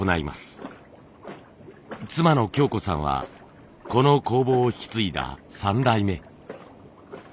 妻の京子さんはこの工房を引き継いだ３代目。